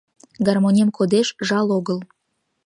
«Гармонем кодеш — жал огыл